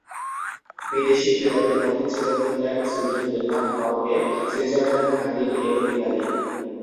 বিদেশী ক্রেতাদের মধ্যে ছিল Finland, Sweden, Denmark, Norway, Switzerland, Hungary এবং ইতালি।